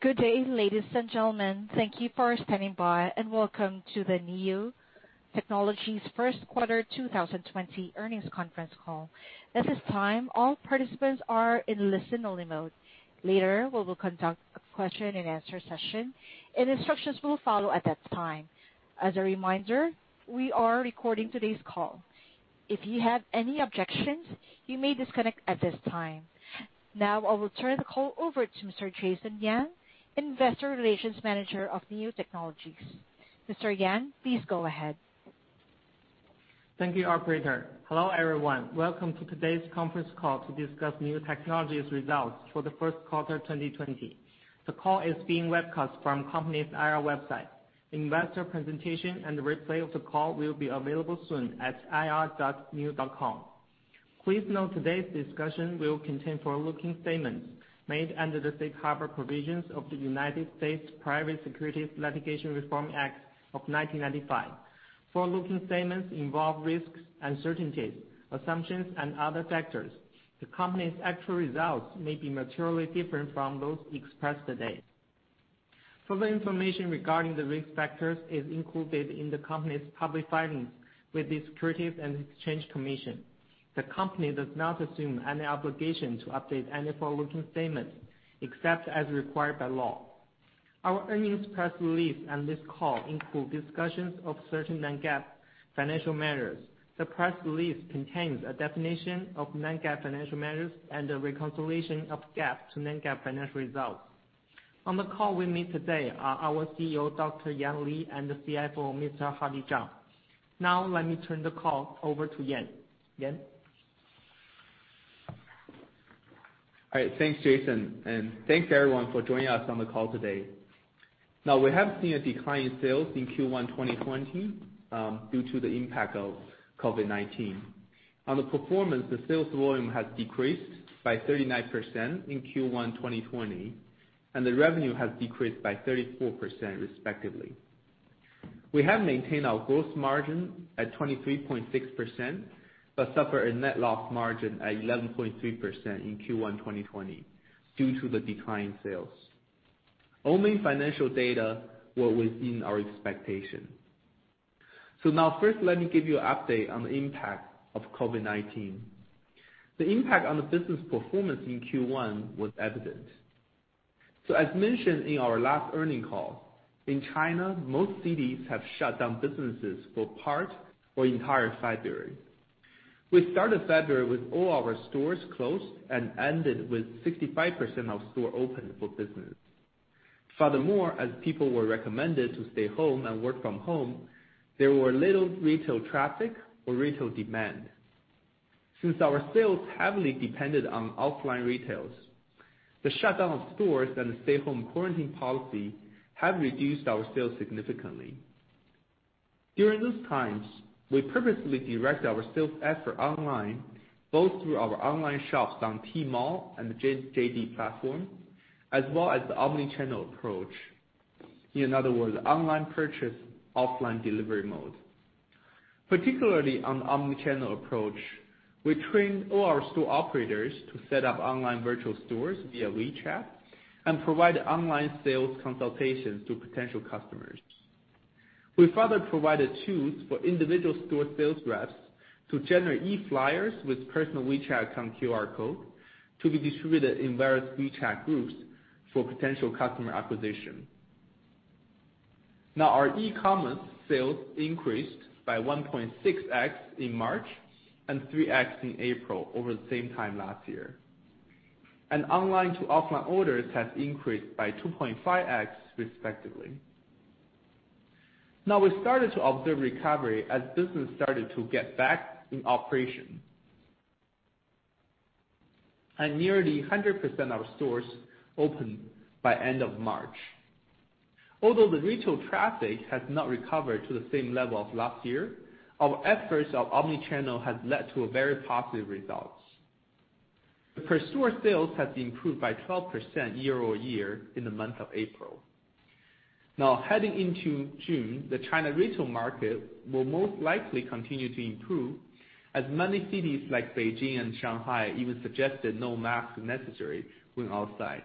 Good day, ladies and gentlemen. Thank you for standing by, and welcome to the Niu Technologies first quarter 2020 earnings conference call. At this time, all participants are in listen only mode. Later, we will conduct a question and answer session, and instructions will follow at that time. As a reminder, we are recording today's call. If you have any objections, you may disconnect at this time. Now, I will turn the call over to Mr. Jason Yang, investor relations manager of Niu Technologies. Mr. Yang, please go ahead. Thank you, operator. Hello, everyone. Welcome to today's conference call to discuss Niu Technologies results for the first quarter 2020. The call is being webcast from company's IR website. Investor presentation and the replay of the call will be available soon at ir.niu.com. Please note, today's discussion will contain forward-looking statements made under the safe harbor provisions of the United States Private Securities Litigation Reform Act of 1995. Forward-looking statements involve risks, uncertainties, assumptions and other factors. The company's actual results may be materially different from those expressed today. Further information regarding the risk factors is included in the company's public filings with the Securities and Exchange Commission. The company does not assume any obligation to update any forward-looking statements, except as required by law. Our earnings press release on this call include discussions of certain non-GAAP financial measures. The press release contains a definition of non-GAAP financial measures and a reconciliation of GAAP to non-GAAP financial results. On the call with me today are our CEO, Dr. Yan Li, and the CFO, Mr. Hardy Zhang. Let me turn the call over to Yan. Yan? Thanks, Jason, and thanks everyone for joining us on the call today. We have seen a decline in sales in Q1 2020, due to the impact of COVID-19. On the performance, the sales volume has decreased by 39% in Q1 2020, and the revenue has decreased by 34% respectively. We have maintained our gross margin at 23.6%, but suffer a net loss margin at 11.3% in Q1 2020 due to the decline in sales. Only financial data were within our expectation. Now first let me give you an update on the impact of COVID-19. The impact on the business performance in Q1 was evident. As mentioned in our last earning call, in China, most cities have shut down businesses for part or entire February. We started February with all our stores closed and ended with 65% of stores open for business. Furthermore, as people were recommended to stay home and work from home, there were little retail traffic or retail demand. Since our sales heavily depended on offline retail, the shutdown of stores and the stay-home quarantine policy have reduced our sales significantly. During those times, we purposely direct our sales effort online, both through our online shops on Tmall and the JD platform, as well as the omni-channel approach. In other words, online purchase, offline delivery mode. Particularly on the omni-channel approach, we trained all our store operators to set up online virtual stores via WeChat and provide online sales consultations to potential customers. We further provided tools for individual store sales reps to generate e-flyers with personal WeChat account QR code to be distributed in various WeChat groups for potential customer acquisition. Our e-commerce sales increased by 1.6x in March and 3x in April over the same time last year. Online to offline orders has increased by 2.5x respectively. We started to observe recovery as business started to get back in operation, and nearly 100% of stores opened by end of March. Although the retail traffic has not recovered to the same level of last year, our efforts of omni-channel has led to very positive results. The per store sales has improved by 12% year-over-year in the month of April. Heading into June, the China retail market will most likely continue to improve as many cities like Beijing and Shanghai even suggested no masks necessary going outside.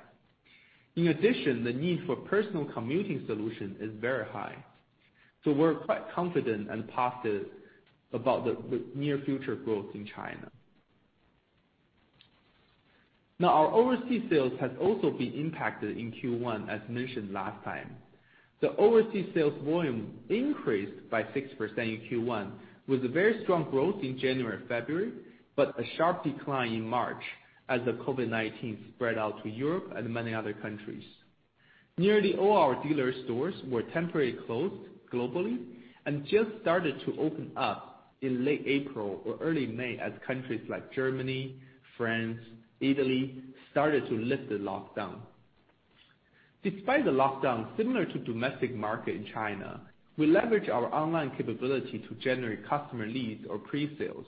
In addition, the need for personal commuting solution is very high. We're quite confident and positive about the near future growth in China. Our overseas sales has also been impacted in Q1, as mentioned last time. The overseas sales volume increased by 6% in Q1, with very strong growth in January and February, but a sharp decline in March as the COVID-19 spread out to Europe and many other countries. Nearly all our dealer stores were temporarily closed globally and just started to open up in late April or early May as countries like Germany, France, Italy started to lift the lockdown. Despite the lockdown, similar to domestic market in China, we leverage our online capability to generate customer leads or pre-sales.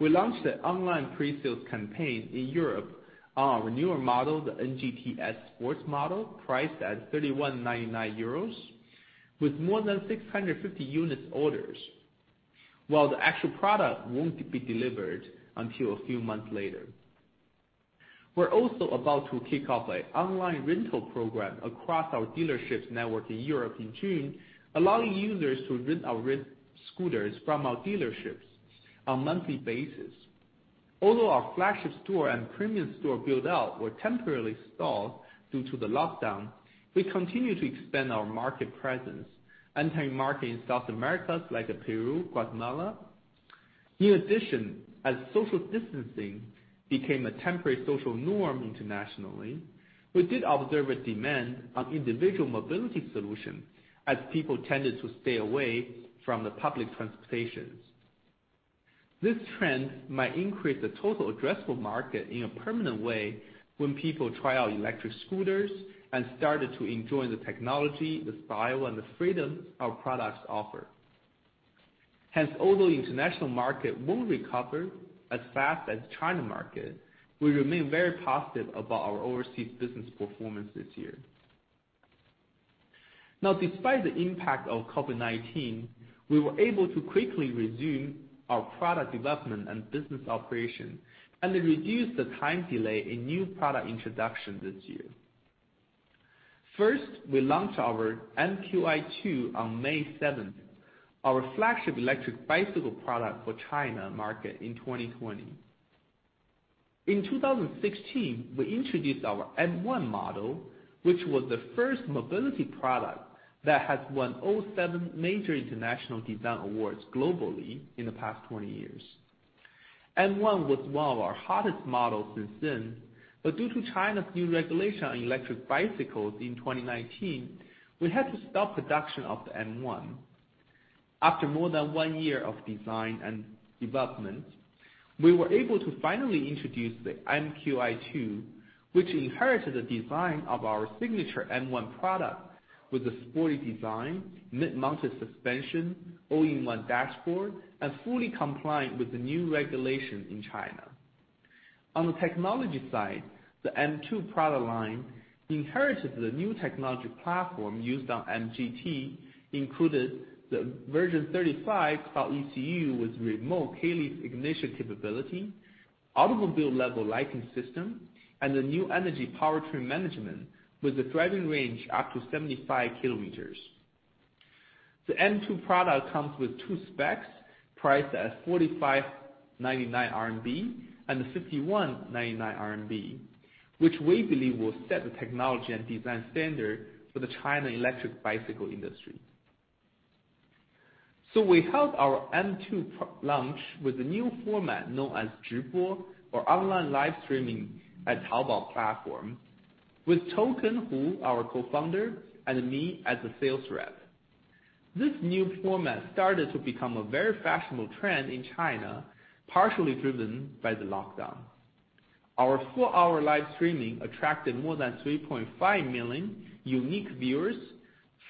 We launched an online pre-sales campaign in Europe on our newer model, the NGT S sports model, priced at €3199, with more than 650 units ordered. While the actual product won't be delivered until a few months later. We're also about to kick off an online rental program across our dealerships network in Europe in June, allowing users to rent our scooters from our dealerships on a monthly basis. Although our flagship store and premium store build-out were temporarily stalled due to the lockdown, we continue to expand our market presence, entering markets in South America, like Peru, Guatemala. In addition, as social distancing became a temporary social norm internationally, we did observe a demand on individual mobility solution, as people tended to stay away from the public transportations. This trend might increase the total addressable market in a permanent way when people try out electric scooters and start to enjoy the technology, the style, and the freedom our products offer. Hence, although the international market will recover as fast as China market, we remain very positive about our overseas business performance this year. Despite the impact of COVID-19, we were able to quickly resume our product development and business operation, and reduce the time delay in new product introduction this year. First, we launched our MQi2 on May 7th, our flagship electric bicycle product for China market in 2020. In 2016, we introduced our M1 model, which was the first mobility product that has won all seven major international design awards globally in the past 20 years. M1 was one of our hottest models since then, but due to China's new regulation on electric bicycles in 2019, we had to stop production of the M1. After more than one year of design and development, we were able to finally introduce the MQi2, which inherited the design of our signature M1 product with a sporty design, mid-mounted suspension, all-in-one dashboard, and fully compliant with the new regulations in China. On the technology side, the M2 product line inherited the new technology platform used on NGT, including the version 3.5 Smart ECU with remote keyless ignition capability, automobile-level lighting system, and the new energy powertrain management, with a driving range up to 75 kilometers. The M2 product comes with two specs, priced at 4,599 RMB and 5,199 RMB, which we believe will set the technology and design standard for the China electric bicycle industry. We held our M2 launch with a new format known as or online live streaming at Taobao platform, with Token Hu, our co-founder, and me as the sales rep. This new format started to become a very fashionable trend in China, partially driven by the lockdown. Our four-hour live streaming attracted more than 3.5 million unique viewers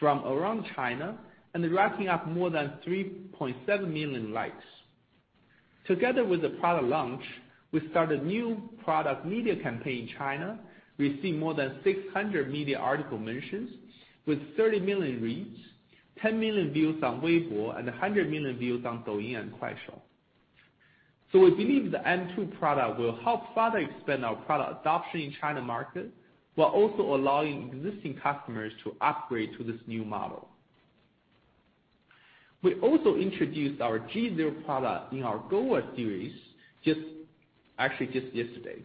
from around China, and racking up more than 3.7 million likes. Together with the product launch, we started a new product media campaign in China. We see more than 600 media article mentions with 30 million reads, 10 million views on Weibo, and 100 million views on Douyin and Kuaishou. We believe the M2 product will help further expand our product adoption in China market, while also allowing existing customers to upgrade to this new model. We also introduced our G0 product in our Gova series, actually just yesterday.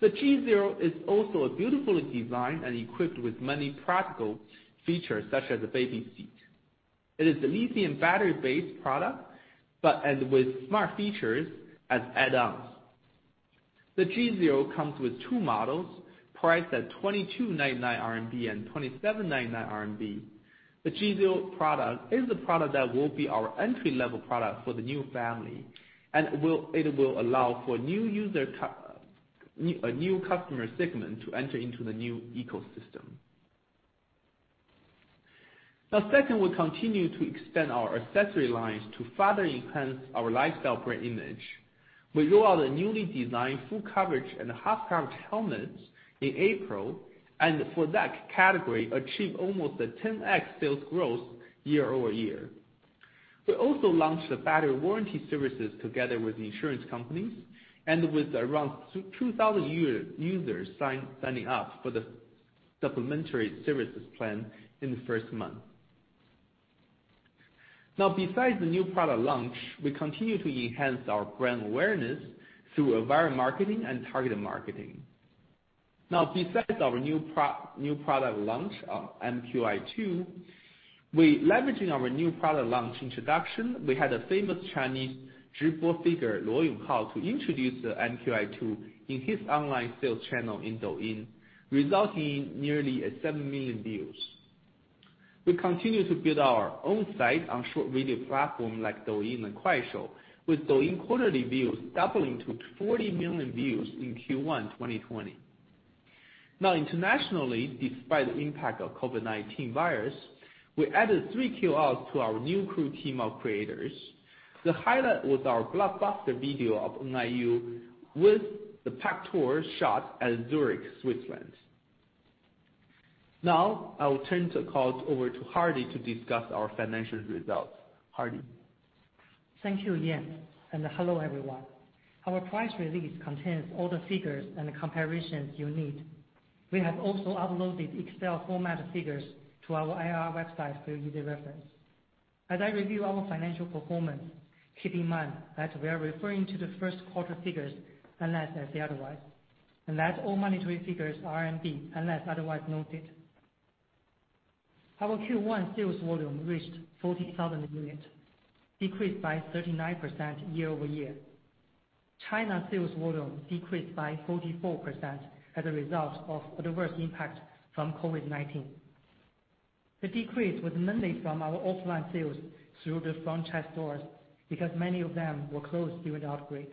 The G0 is also beautifully designed and equipped with many practical features, such as a baby seat. It is a lithium battery-based product, and with smart features as add-ons. The G0 comes with two models, priced at 2,299 RMB and 2,799 RMB. The G0 product is the product that will be our entry-level product for the Niu family, and it will allow for a new customer segment to enter into the Niu ecosystem. Second, we continue to expand our accessory lines to further enhance our lifestyle brand image. We roll out a newly designed full coverage and half coverage helmets in April, and for that category, achieve almost a 10X sales growth year-over-year. We also launched the battery warranty services together with insurance companies, and with around 2,000 users signing up for the supplementary services plan in the first month. Besides the Niu product launch, we continue to enhance our brand awareness through viral marketing and targeted marketing. Besides our Niu product launch of NQi2, we're leveraging our Niu product launch introduction. We had a famous Chinese figure to introduce the NQi2 in his online sales channel in Douyin, resulting in nearly 7 million views. We continue to build our own site on short video platform like Douyin and Kuaishou, with Douyin quarterly views doubling to 40 million views in Q1 2020. Internationally, despite the impact of COVID-19, we added three KOLs to our Niu Crew team of creators. The highlight was our blockbuster video of NIU with the parkour shot at Zurich, Switzerland. I will turn the call over to Hardy to discuss our financial results. Hardy. Thank you, Yan. Hello, everyone. Our press release contains all the figures and the comparisons you need. We have also uploaded Excel-format figures to our IR website for easy reference. As I review our financial performance, keep in mind that we are referring to the first quarter figures, unless I say otherwise, and that all monetary figures are RMB, unless otherwise noted. Our Q1 sales volume reached 40,000 units, decreased by 39% year-over-year. China sales volume decreased by 44% as a result of adverse impact from COVID-19. The decrease was mainly from our offline sales through the franchise stores, because many of them were closed during the outbreak.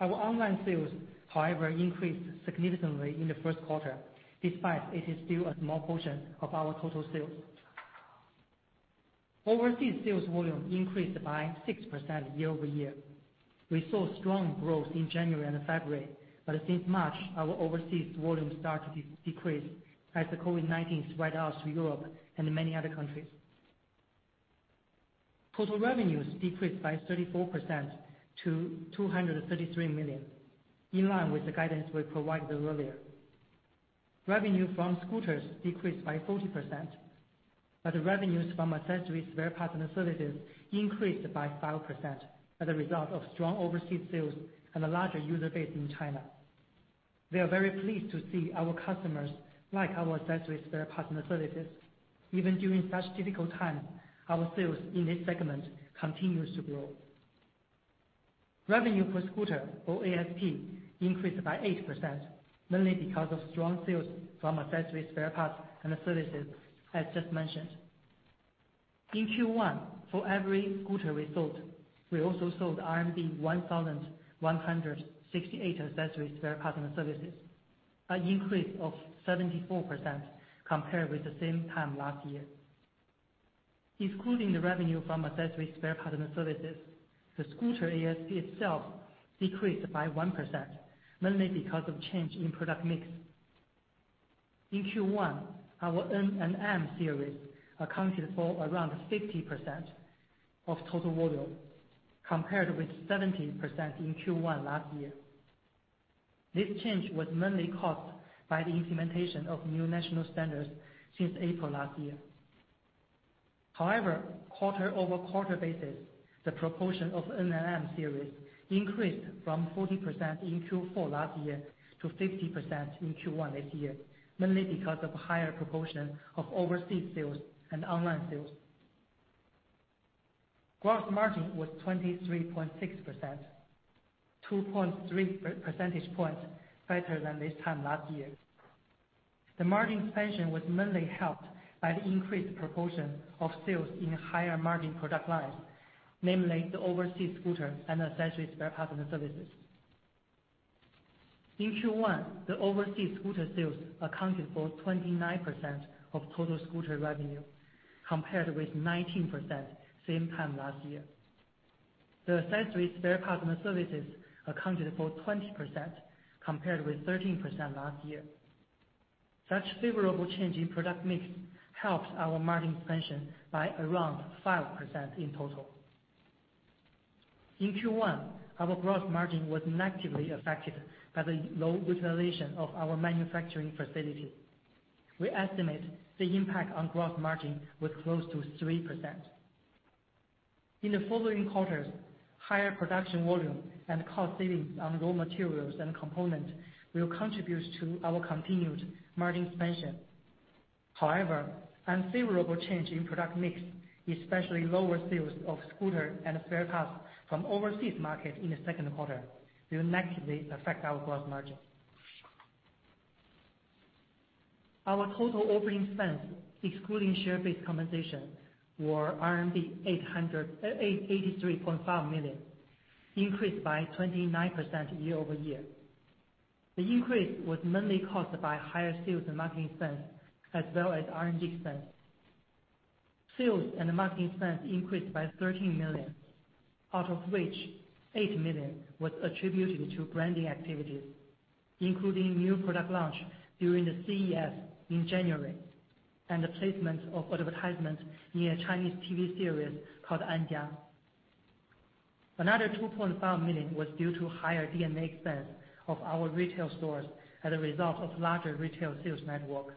Our online sales, however, increased significantly in the first quarter, despite it is still a small portion of our total sales. Overseas sales volume increased by 6% year-over-year. We saw strong growth in January and February. Since March, our overseas volume started to decrease as the COVID-19 spread out to Europe and many other countries. Total revenues decreased by 34% to 233 million, in line with the guidance we provided earlier. Revenue from scooters decreased by 40%. Revenues from accessories, spare parts, and services increased by 5% as a result of strong overseas sales and a larger user base in China. We are very pleased to see our customers like our accessories, spare parts, and services. Even during such difficult times, our sales in this segment continues to grow. Revenue per scooter, or ASP, increased by 8%, mainly because of strong sales from accessories, spare parts, and services, as just mentioned. In Q1, for every scooter we sold, we also sold RMB 1,168 accessories, spare parts, and services, an increase of 74% compared with the same time last year. Excluding the revenue from accessories, spare parts, and services, the scooter ASP itself decreased by 1%, mainly because of change in product mix. In Q1, our N and M series accounted for around 60% of total volume, compared with 70% in Q1 last year. This change was mainly caused by the implementation of new national standards since April last year. However, quarter-over-quarter basis, the proportion of N and M series increased from 40% in Q4 last year to 50% in Q1 this year, mainly because of higher proportion of overseas sales and online sales. Gross margin was 23.6%, 2.3 percentage points better than this time last year. The margin expansion was mainly helped by the increased proportion of sales in higher margin product lines, namely the overseas scooter and accessories, spare parts, and services. In Q1, the overseas scooter sales accounted for 29% of total scooter revenue, compared with 19% same time last year. The accessories, spare parts, and services accounted for 20%, compared with 13% last year. Such favorable change in product mix helped our margin expansion by around 5% in total. In Q1, our gross margin was negatively affected by the low utilization of our manufacturing facility. We estimate the impact on gross margin was close to 3%. In the following quarters, higher production volume and cost savings on raw materials and component will contribute to our continued margin expansion. Unfavorable change in product mix, especially lower sales of scooter and spare parts from overseas market in the second quarter, will negatively affect our gross margin. Our total operating expense, excluding share-based compensation, were RMB 83.5 million, increased by 29% year-over-year. The increase was mainly caused by higher sales and marketing expense, as well as R&D expense. Sales and marketing expense increased by 13 million, out of which, 8 million was attributed to branding activities, including new product launch during the CES in January, and the placement of advertisement in a Chinese TV series called "An Jia". Another 2.5 million was due to higher D&A expense of our retail stores as a result of larger retail sales network.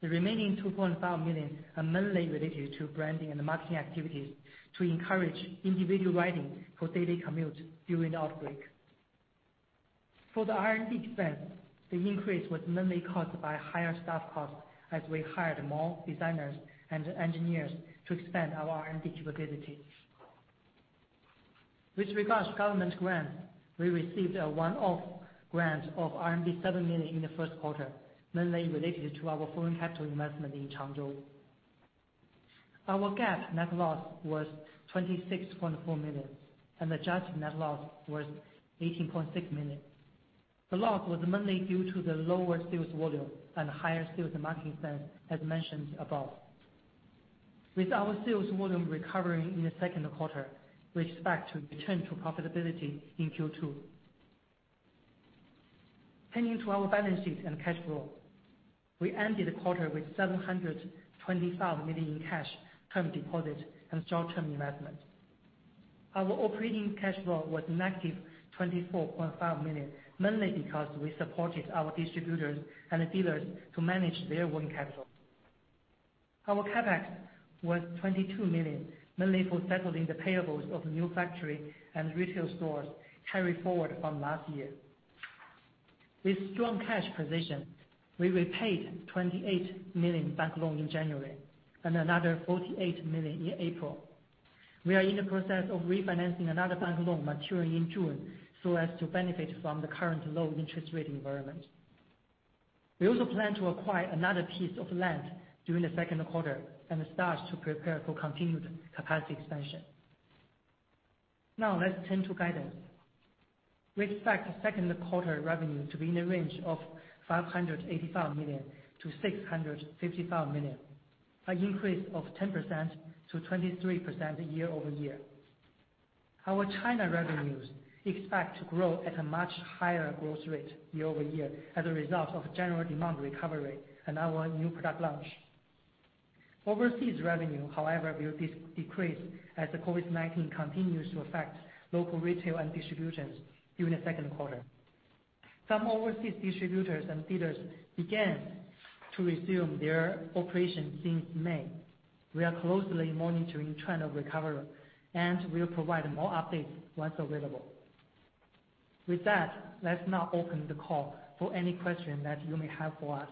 The remaining 2.5 million are mainly related to branding and marketing activities to encourage individual riding for daily commutes during the outbreak. For the R&D expense, the increase was mainly caused by higher staff costs, as we hired more designers and engineers to expand our R&D capabilities. With regards to government grants, we received a one-off grant of RMB 7 million in the first quarter, mainly related to our foreign capital investment in Changzhou. Our GAAP net loss was 26.4 million, and adjusted net loss was 18.6 million. The loss was mainly due to the lower sales volume and higher sales and marketing expense, as mentioned above. With our sales volume recovering in the second quarter, we expect to return to profitability in Q2. Turning to our balance sheet and cash flow. We ended the quarter with 725 million in cash, term deposits, and short-term investments. Our operating cash flow was negative 24.5 million, mainly because we supported our distributors and dealers to manage their working capital. Our CapEx was 22 million, mainly for settling the payables of the new factory and retail stores carried forward from last year. With strong cash position, we repaid 28 million bank loan in January and another 48 million in April. We are in the process of refinancing another bank loan maturing in June so as to benefit from the current low interest rate environment. We also plan to acquire another piece of land during the second quarter and start to prepare for continued capacity expansion. Let's turn to guidance. We expect second quarter revenue to be in the range of 585 million-655 million, an increase of 10%-23% year-over-year. Our China revenues expect to grow at a much higher growth rate year-over-year as a result of general demand recovery and our new product launch. Overseas revenue, however, will decrease as the COVID-19 continues to affect local retail and distributions during the second quarter. Some overseas distributors and dealers began to resume their operations since May. We are closely monitoring trend of recovery and will provide more updates once available. With that, let's now open the call for any question that you may have for us.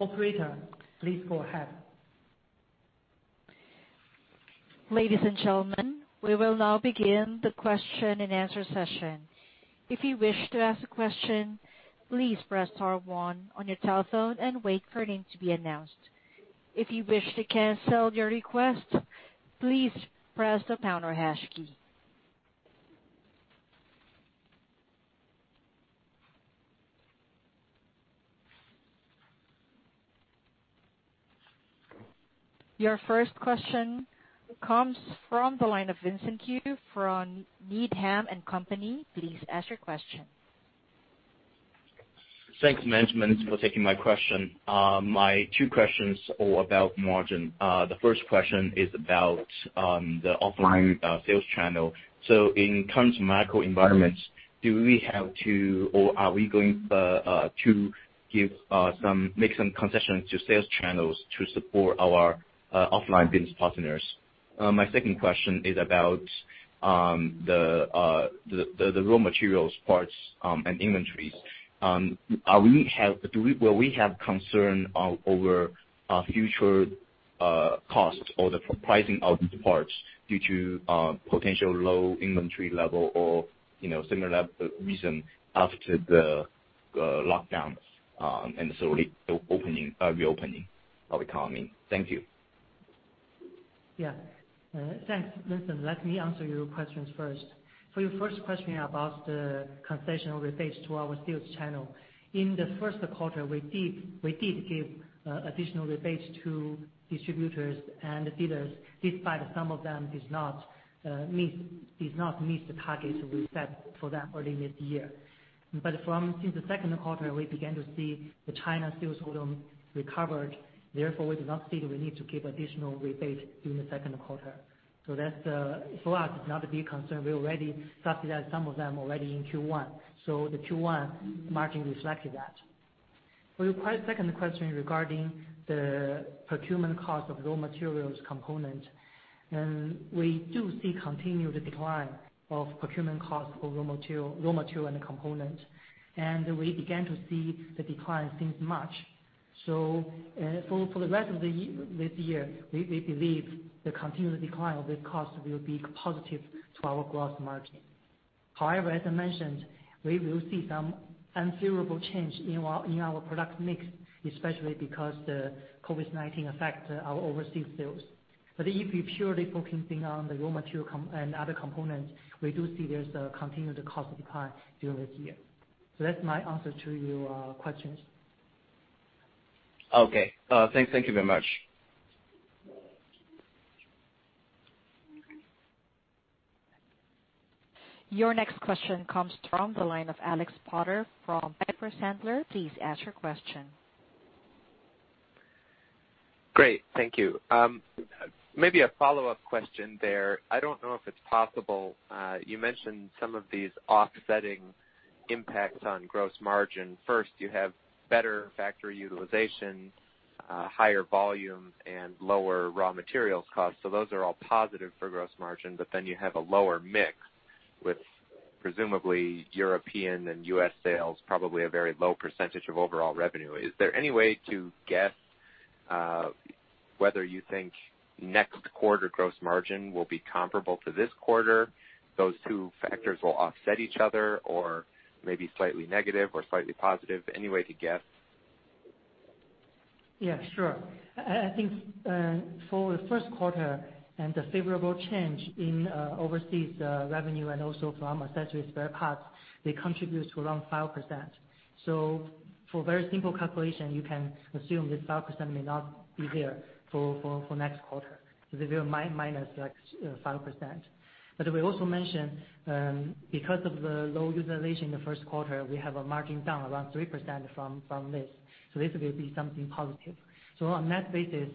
Operator, please go ahead. Ladies and gentlemen, we will now begin the question and answer session. If you wish to ask a question, please press star one on your telephone and wait for your name to be announced. If you wish to cancel your request, please press the pound or hash key. Your first question comes from the line of Vincent Yu from Needham & Company. Please ask your question. Thanks, management, for taking my question. My two questions are about margin. The first question is about the offline sales channel. In terms of macro environments, do we have to or are we going to make some concessions to sales channels to support our offline business partners? My second question is about the raw materials parts and inventories. Will we have concern over future costs or the pricing of these parts due to potential low inventory level or similar reason after the lockdowns and slowly reopening of the economy? Thank you. Thanks, Vincent. Let me answer your questions first. For your first question about the concessional rebates to our sales channel, in the first quarter, we did give additional rebates to distributors and dealers, despite some of them did not meet the targets we set for them early this year. From the second quarter, we began to see the China sales volume recovered. Therefore, we do not see the need to give additional rebate during the second quarter. That for us is not a big concern. We already subsidized some of them already in Q1. The Q1 margin reflected that. For your second question regarding the procurement cost of raw materials component, we do see continued decline of procurement cost of raw material and component. We began to see the decline since March. For the rest of this year, we believe the continued decline of this cost will be positive to our gross margin. As I mentioned, we will see some unfavorable change in our product mix, especially because the COVID-19 affect our overseas sales. If you're purely focusing on the raw material and other components, we do see there's a continued cost decline during this year. That's my answer to your questions. Okay. Thank you very much. Your next question comes from the line of Alex Potter from Piper Sandler. Please ask your question. Great. Thank you. Maybe a follow-up question there. I don't know if it's possible. You mentioned some of these offsetting impacts on gross margin. First, you have better factory utilization, higher volume, and lower raw materials costs. Those are all positive for gross margin, but then you have a lower mix with presumably European and U.S. sales, probably a very low percentage of overall revenue. Is there any way to guess whether you think next quarter gross margin will be comparable to this quarter? Those two factors will offset each other or maybe slightly negative or slightly positive? Any way to guess? Yeah, sure. I think for the first quarter and the favorable change in overseas revenue and also from accessories spare parts, they contribute to around 5%. For very simple calculation, you can assume this 5% may not be there for next quarter. They will minus 5%. We also mentioned, because of the low utilization in the first quarter, we have a margin down around 3% from this. This will be something positive. On that basis,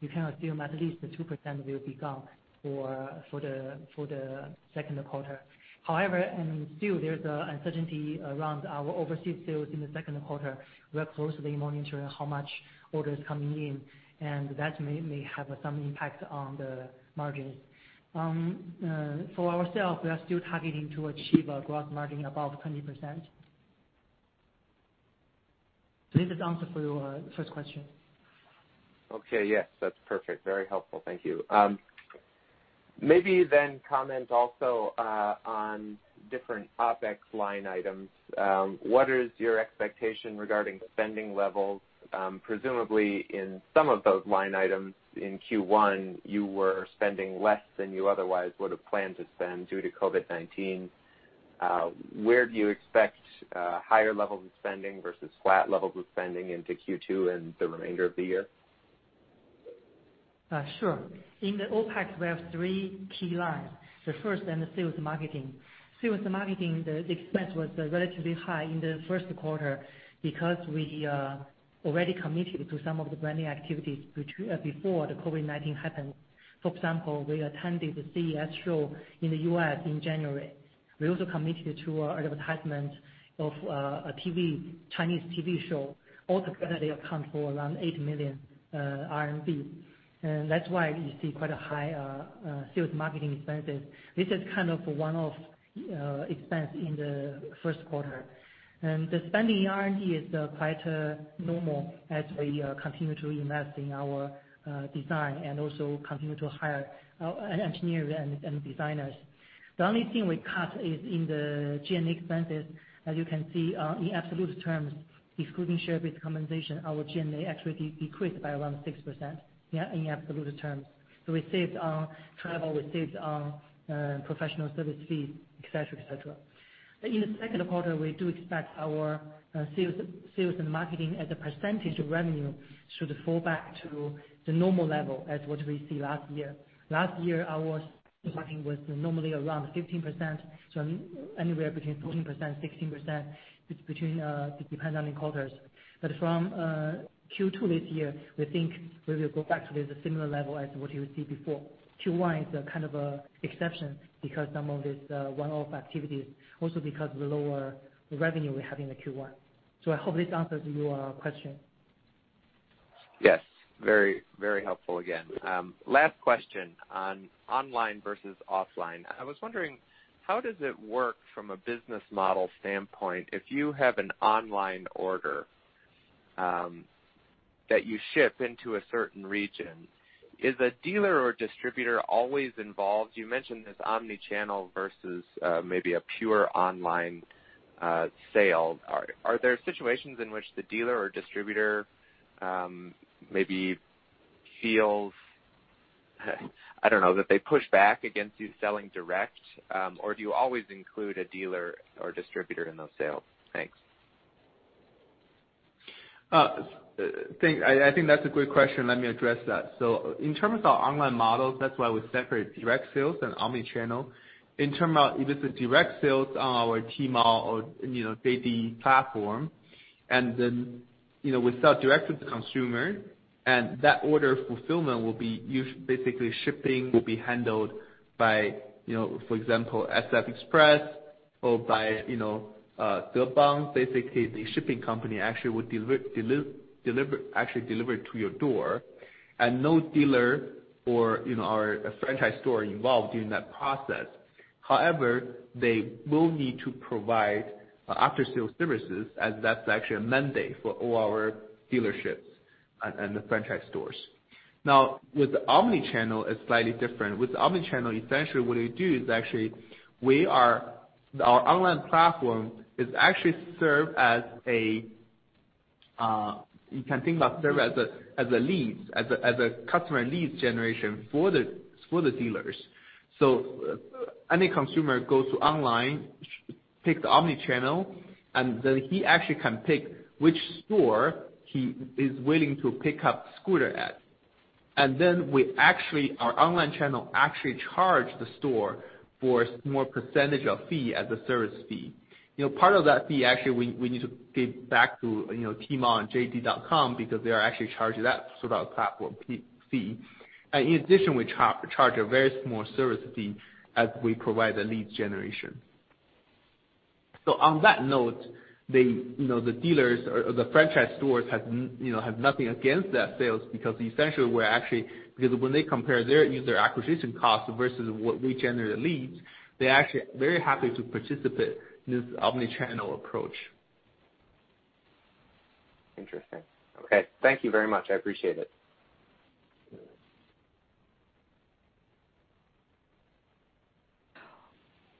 you can assume at least the 2% will be gone for the second quarter. However, still there's an uncertainty around our overseas sales in the second quarter. We are closely monitoring how much order is coming in, and that may have some impact on the margins. For ourselves, we are still targeting to achieve a gross margin above 20%. This is answer for your first question. Okay. Yes, that's perfect. Very helpful. Thank you. Comment also on different OpEx line items. What is your expectation regarding spending levels? Presumably in some of those line items in Q1, you were spending less than you otherwise would have planned to spend due to COVID-19. Where do you expect higher levels of spending versus flat levels of spending into Q2 and the remainder of the year? Sure. In the OpEx, we have three key lines. The first in the sales marketing. Sales marketing, the expense was relatively high in the first quarter because we already committed to some of the branding activities before the COVID-19 happened. For example, we attended the CES show in the U.S. in January. We also committed to advertisement of a Chinese TV show. Altogether, they account for around 8 million RMB. That's why you see quite a high sales marketing expenses. This is kind of one-off expense in the first quarter. The spending in R&D is quite normal as we continue to invest in our design and also continue to hire engineers and designers. The only thing we cut is in the G&A expenses. As you can see, in absolute terms, excluding share-based compensation, our G&A actually decreased by around 6%, in absolute terms. We saved on travel, we saved on professional service fees, et cetera. In the second quarter, we do expect our sales and marketing as a percentage of revenue should fall back to the normal level as what we see last year. Last year, our sales marketing was normally around 15%, anywhere between 14%-16%, it depends on the quarters. From Q2 this year, we think we will go back to the similar level as what you would see before. Q1 is a kind of exception because some of this one-off activity, also because of the lower revenue we have in the Q1. I hope this answers your question. Yes. Very helpful again. Last question on online versus offline. I was wondering, how does it work from a business model standpoint, if you have an online order that you ship into a certain region, is a dealer or distributor always involved? You mentioned this omni-channel versus maybe a pure online sale. Are there situations in which the dealer or distributor maybe feels, I don't know, that they push back against you selling direct? Do you always include a dealer or distributor in those sales? Thanks. I think that's a great question. Let me address that. In terms of our online models, that's why we separate direct sales and omni-channel. In terms of if it's a direct sales on our Tmall or JD platform, and then, we sell direct to the consumer, and that order fulfillment will be basically shipping will be handled by, for example, SF Express or by Deppon. Basically, the shipping company actually would deliver to your door, and no dealer or our franchise store involved during that process. They will need to provide after-sales services as that's actually a mandate for all our dealerships and the franchise stores. With the omni-channel, it's slightly different. With the omni-channel, essentially what they do is actually our online platform is actually served as a, you can think about serve as a customer leads generation for the dealers. Any consumer goes to online, picks omni-channel, and then he actually can pick which store he is willing to pick up scooter at. Our online channel actually charge the store for a small percentage of fee as a service fee. Part of that fee, actually, we need to give back to Tmall and JD.com because they are actually charged that platform fee. In addition, we charge a very small service fee as we provide a lead generation. On that note, the dealers or the franchise stores have nothing against that sales because essentially we're actually when they compare their user acquisition cost versus what we generate a leads, they're actually very happy to participate in this omni-channel approach. Interesting. Okay. Thank you very much. I appreciate it.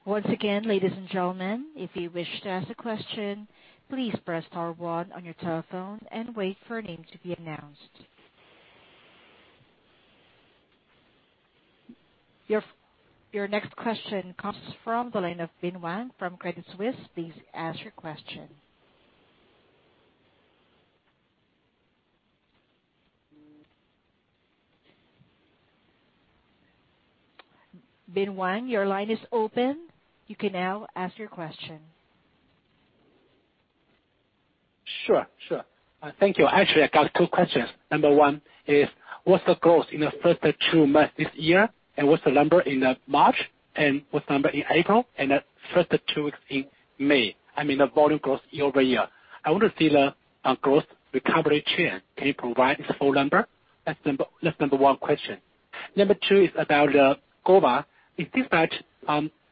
Once again, ladies and gentlemen, if you wish to ask a question, please press star one on your telephones and wait for a name to be announced. Your next question comes from the line of Bin Wang from Credit Suisse. Please ask your question. Bin Wang, your line is open. You can now ask your question. Sure. Thank you. Actually, I got two questions. Number 1 is, what's the growth in the first two months this year, and what's the number in March, and what's the number in April, and the first two weeks in May? I mean, the volume growth year-over-year. I want to see the growth recovery trend. Can you provide this whole number? That's number 1 question. Number 2 is about the Gova. It seems that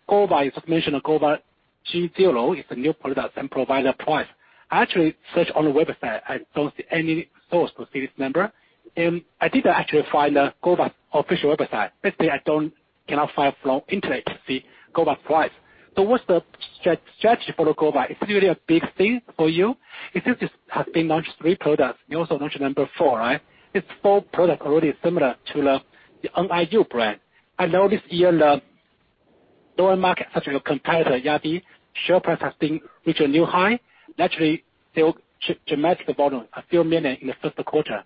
Gova, as mentioned, Gova G0 is a new product and provide a price. I actually searched on the website. I don't see any source to see this number. I did actually find the Gova official website. Basically, I cannot find from internet the Gova price. What's the strategy for the Gova? Is it really a big thing for you? It seems this has been launched three products, you also launched number 4, right? It's four product already similar to the NIU brand. I know this year, the lower market, such as your competitor, Yadea, share price has been reached a new high. Naturally, they will ship dramatic volume, a few million in the first quarter.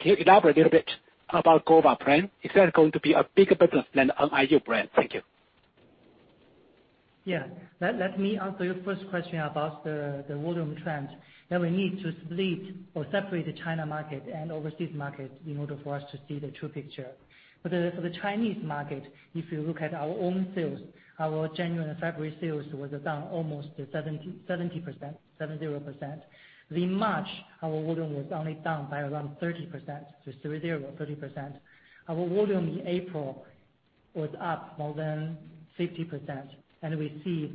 Can you elaborate a little bit about GOVA brand? Is that going to be a bigger business than NIU brand? Thank you. Yeah. We need to split or separate the China market and overseas market in order for us to see the true picture. For the Chinese market, if you look at our own sales, our January and February sales was down almost 70%. In March, our volume was only down by around 30%. Our volume in April was up more than 50%, and we see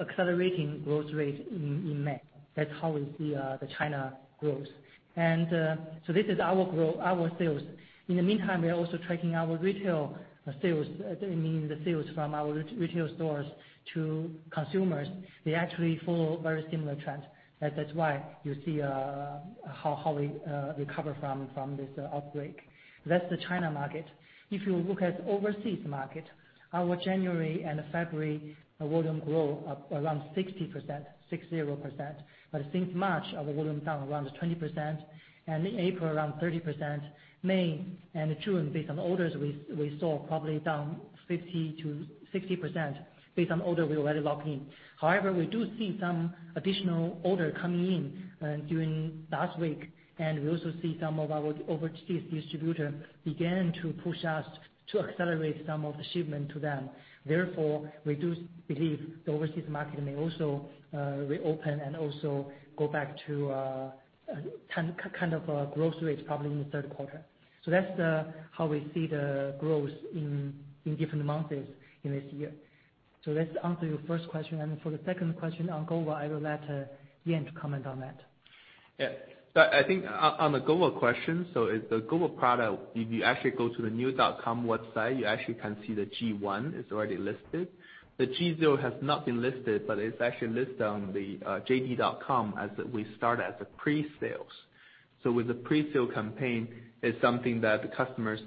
accelerating growth rate in May. That's how we see the China growth. This is our growth, our sales. In the meantime, we are also tracking our retail sales. They mean the sales from our retail stores to consumers. They actually follow a very similar trend. That's why you see how we recover from this outbreak. That's the China market. You look at overseas market, our January and February volume grow up around 60%. Since March, our volume down around 20%, and in April around 30%. May and June, based on orders we saw, probably down 50%-60%, based on order we already locked in. However, we do see some additional order coming in during last week, and we also see some of our overseas distributor began to push us to accelerate some of the shipment to them. Therefore, we do believe the overseas market may also reopen and also go back to a growth rate probably in the third quarter. That's how we see the growth in different months in this year. Let's answer your first question, and for the second question on Gova, I will let Yan comment on that. I think on the Gova question, so it's the Gova product. If you actually go to the niu.com website, you actually can see the G1 is already listed. The G0 has not been listed, but it's actually listed on the JD.com as we start as a pre-sales. With the pre-sale campaign, it's something that the customers,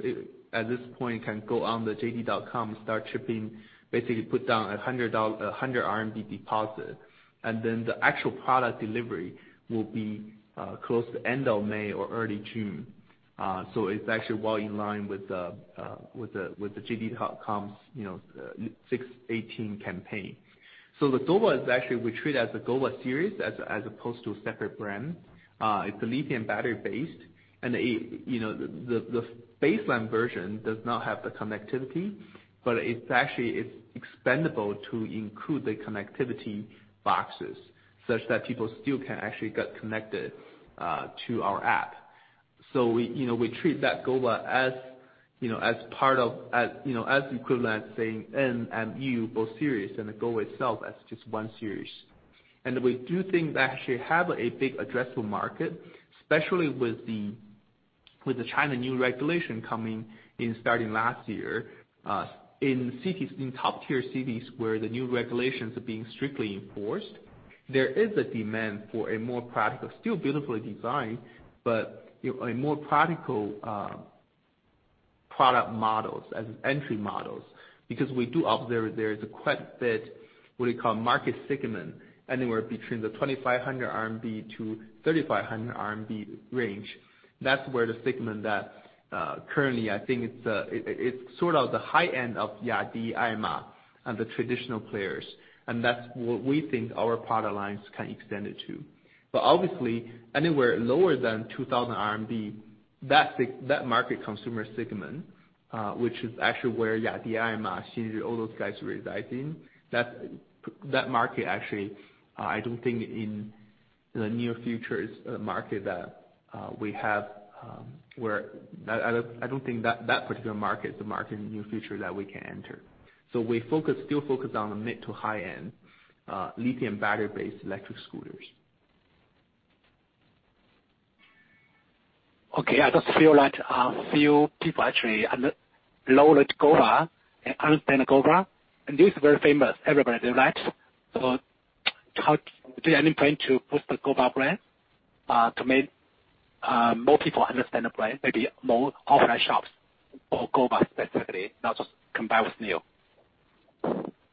at this point, can go on the JD.com, start shipping, basically put down RMB 100 deposit, and then the actual product delivery will be close to end of May or early June. It's actually well in line with the JD.com's 618 campaign. The Gova is actually, we treat as a Gova series as opposed to a separate brand. It's a lithium battery-based, and the baseline version does not have the connectivity, but it's expandable to include the connectivity boxes such that people still can actually get connected to our app. We treat that Gova as equivalent saying N-Series and U-Series both series, and the Gova itself as just one series. We do think they actually have a big addressable market, especially with the China new regulation coming in starting last year. In top-tier cities where the new regulations are being strictly enforced, there is a demand for a more practical, still beautifully designed, but a more practical product models as entry models. We do observe there is a quite a bit, what do you call, market segment anywhere between the 2,500-3,500 RMB range. That's where the segment that currently, I think it's sort of the high end of Yadea, Aima, and the traditional players, and that's what we think our product lines can extend it to. Obviously, anywhere lower than 2,000 RMB, that market consumer segment, which is actually where Yadea, Aima, Xinri, all those guys reside in, that market, actually, I don't think that particular market is the market in the near future that we can enter. We still focus on the mid to high-end lithium battery-based electric scooters. Okay. I just feel like a few people actually know that Gova and understand Gova. This is very famous, everybody do that. Do you have any plan to boost the Gova brand to make more people understand the brand, maybe more offline shops for Gova specifically, not just combined with Niu?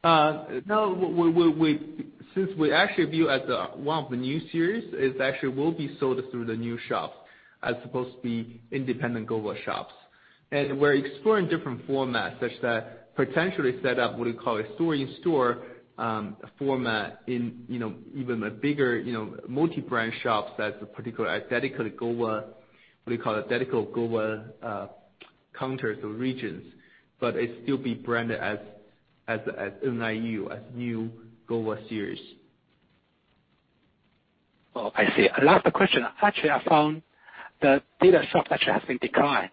No. Since we actually view it as one of the N-Series, it actually will be sold through the NIU shops as opposed to be independent Gova shops. We're exploring different formats such that potentially set up what we call a store-in-store format in even the bigger multi-brand shops that's a particular dedicated Gova, what we call dedicated Gova counters or regions. It still be branded as NIU, as NIU Gova series. Oh, I see. Last question. Actually, I found the dealer shops actually has been declined.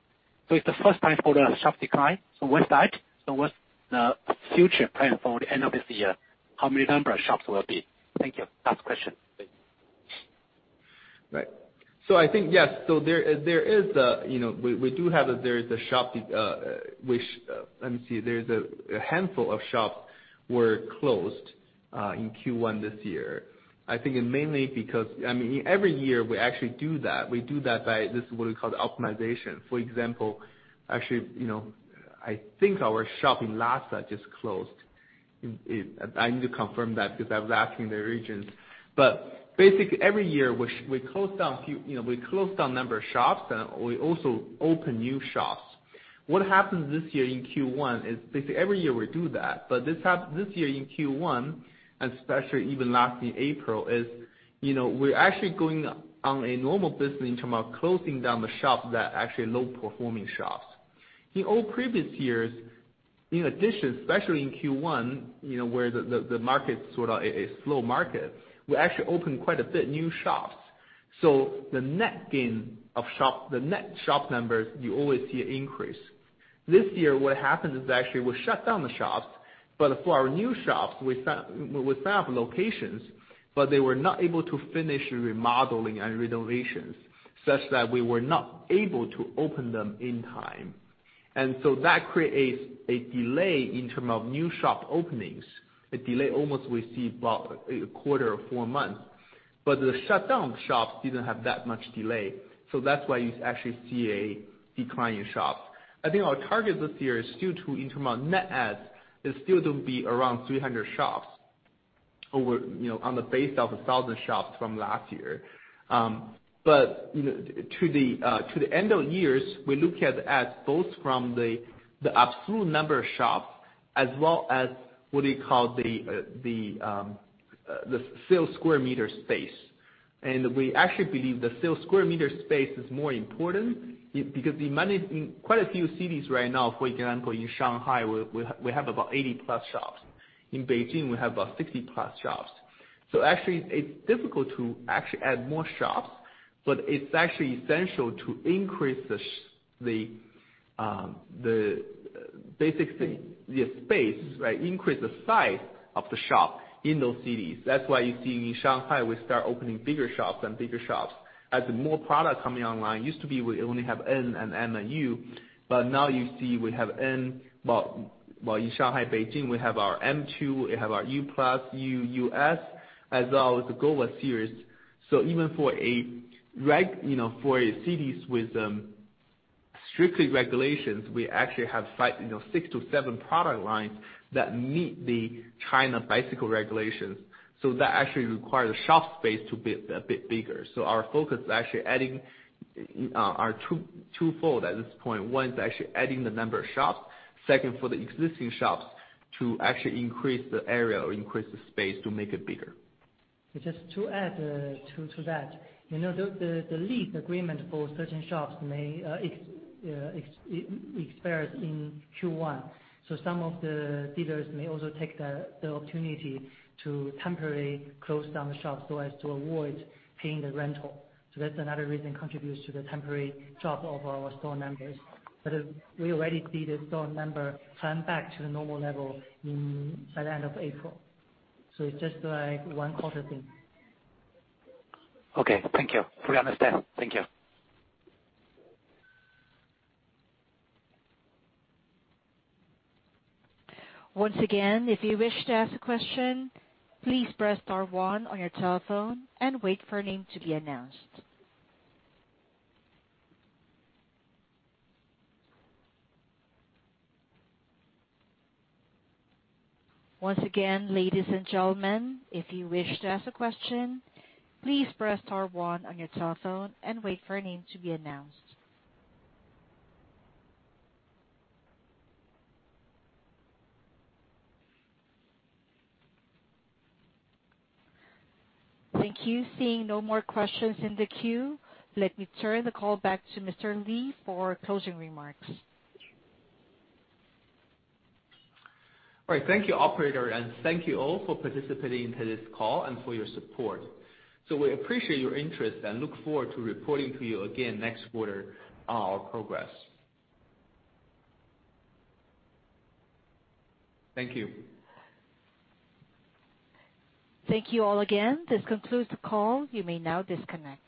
It's the first time for the shop decline. What's that? What's the future plan for the end of this year? How many number of shops will it be? Thank you. Last question. Thank you. Right. I think, yes. Let me see. There's a handful of shops were closed in Q1 this year. I think mainly because, every year we actually do that. We do that by this is what we call the optimization. For example, actually, I think our shop in Lhasa just closed. I need to confirm that because I was asking the regions. Basically, every year, we close down a number of shops, and we also open new shops. What happens this year in Q1 is, basically, every year we do that, but this year in Q1, and especially even last year, April, is we're actually going on a normal business in terms of closing down the shops that are actually low-performing shops. In all previous years, in addition, especially in Q1, where the market sort of a slow market, we actually open quite a few new shops. The net gain of shops, the net shop numbers, you always see an increase. This year, what happened is actually we shut down the shops, but for our new shops, we found locations, but they were not able to finish remodeling and renovations, such that we were not able to open them in time. That creates a delay in terms of new shop openings, a delay almost we see about a quarter or four months. The shutdown shops didn't have that much delay. That's why you actually see a decline in shops. I think our target this year is still to, in terms of net adds, is still to be around 300 shops over on the base of 1,000 shops from last year. To the end of year, we look at adds both from the absolute number of shops as well as what we call the sales square meter space. We actually believe the sales square meter space is more important because we manage quite a few cities right now. For example, in Shanghai, we have about 80 plus shops. In Beijing, we have about 60 plus shops. Actually, it's difficult to actually add more shops, but it's actually essential to increase the basic thing, the space, right? Increase the size of the shop in those cities. That's why you see in Shanghai, we start opening bigger shops and bigger shops as more products coming online. Used to be we only have N and NIU, now you see we have N. Well, in Shanghai and Beijing, we have our M2, we have our U+, U, US, as well as the Gova series. Even for cities with strict regulations, we actually have six to seven product lines that meet the China bicycle regulations. That actually requires the shop space to be a bit bigger. Our focus is actually adding are twofold at this point. One is actually adding the number of shops. Second, for the existing shops to actually increase the area or increase the space to make it bigger. Just to add to that. The lease agreement for certain shops may expire in Q1. Some of the dealers may also take the opportunity to temporarily close down the shops so as to avoid paying the rental. That's another reason contributes to the temporary drop of our store numbers. We already see the store number turn back to the normal level by the end of April. It's just like one-quarter thing. Okay. Thank you. We understand. Thank you. Once again, if you wish to ask a question, please press star one on your telephone and wait for a name to be announced. Once again, ladies and gentlemen, if you wish to ask a question, please press star one on your telephone and wait for a name to be announced. Thank you. Seeing no more questions in the queue, let me turn the call back to Mr. Li for closing remarks. All right. Thank you, operator, and thank you all for participating to this call and for your support. We appreciate your interest and look forward to reporting to you again next quarter on our progress. Thank you. Thank you all again. This concludes the call. You may now disconnect.